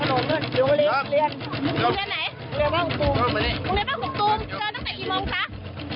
อ้าวปลาส้มหมดแล้ว